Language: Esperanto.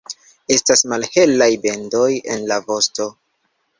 Estas malhelaj bendoj en la vosto.